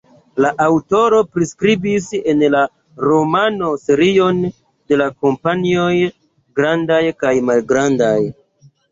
La aŭtoro priskribis en la romano serion da kampanjoj grandaj kaj malgrandaj.